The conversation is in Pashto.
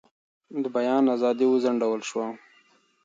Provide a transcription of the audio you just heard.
د بیان ازادي وځنډول شوه.